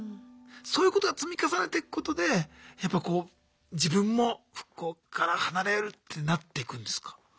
そういうことが積み重ねていくことでやっぱこう自分も復興から離れるってなっていくんですか？